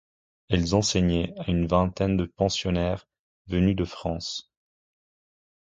Elles enseignaient à une vingtaine de pensionnaires venues de France.